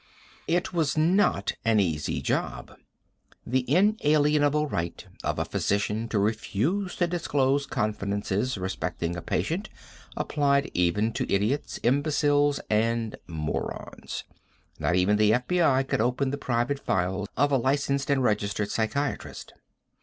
It was not an easy job. The inalienable right of a physician to refuse to disclose confidences respecting a patient applied even to idiots, imbeciles, and morons. Not even the FBI could open the private files of a licensed and registered psychiatrist.